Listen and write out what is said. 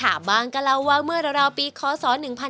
มากมายค่ะบางก็เล่าว่าเมื่อราวปีคศ๑๙๐๐